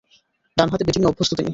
ডানহাতে ব্যাটিংয়ে অভ্যস্ত তিনি।